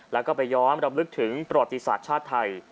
แล้วก็ไปย้อนรำลึกถึงประวัติศาสตร์ชาติไทย